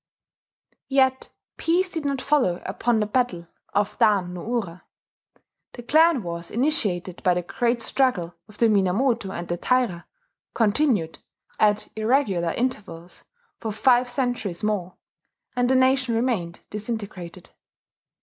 Yet peace did not follow upon the battle of Dan no ura: the clan wars initiated by the great struggle of the Minamoto and the Taira, continued, at irregular intervals, for five centuries more; and the nation remained disintegrated.